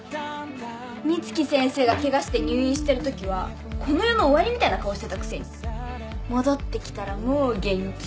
美月先生がケガして入院してるときはこの世の終わりみたいな顔してたくせに戻ってきたらもう元気。